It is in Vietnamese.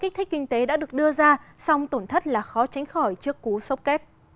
quá trình xây dựng kéo dài một mươi năm bắt đầu từ năm hai nghìn hai mươi năm và sử dụng khoảng ba lao động địa phương